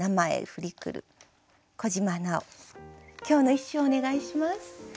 今日の一首をお願いします。